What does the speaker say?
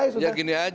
ya gini saja logikanya